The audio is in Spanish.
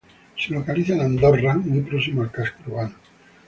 Se localiza en Andorra, muy próximo al casco urbano.